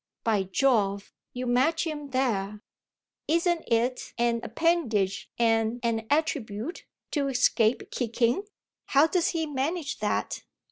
"By Jove, you match him there! Isn't it an appendage and an attribute to escape kicking? How does he manage that?"